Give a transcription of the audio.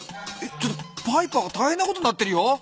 ちょっとパイパーがたいへんなことになってるよ。